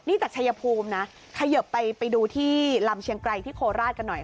นี่จากชายภูมินะเขยิบไปดูที่ลำเชียงไกรที่โคราชกันหน่อย